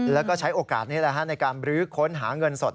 แล้วก็ใช้โอกาสนี้ในการบรื้อค้นหาเงินสด